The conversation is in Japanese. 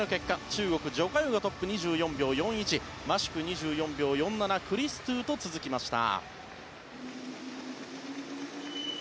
中国、ジョ・カヨがトップ２４秒４１マシュク、２４秒４７クリストゥと続きました。